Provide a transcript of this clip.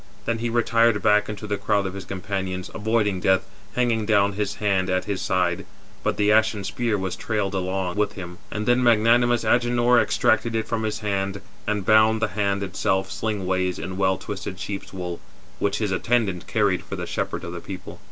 Then he retired back into the crowd of his companions, avoiding death, hanging down his hand at his side, but the ashen spear was trailed along with him. And then magnanimous Agenor extracted it from his hand, and bound [the hand] itself sling ways in well twisted sheep's wool, which his attendant carried for the shepherd of the people.